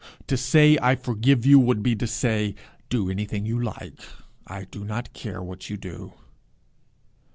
To say, I forgive you, would be to say, Do anything you like; I do not care what you do.'